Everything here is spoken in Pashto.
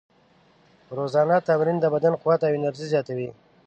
روزانه تمرین د بدن قوت او انرژي زیاتوي.